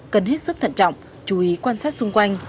cần hết sức thận trọng chú ý quan sát xung quanh